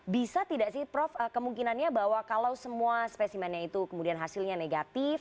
bisa tidak sih prof kemungkinannya bahwa kalau semua spesimennya itu kemudian hasilnya negatif